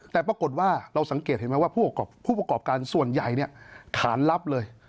แต่ปรากฏว่าเราสังเกตเห็นไหมว่าผู้ประกอบการส่วนใหญ่ฐานลับเลย